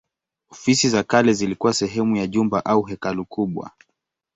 Ofisi za kale zilikuwa sehemu ya jumba au hekalu kubwa.